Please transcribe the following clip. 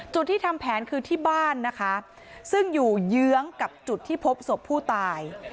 ที่ทำแผนคือที่บ้านนะคะซึ่งอยู่เยื้องกับจุดที่พบศพผู้ตาย